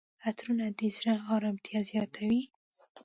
عطرونه د زړه آرامتیا زیاتوي.